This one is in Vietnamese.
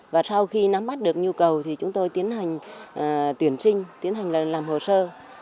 và sau khi nắm bắt được nhu cầu thì chúng tôi tiến hành tuyển trinh tiến hành làm hồ sơ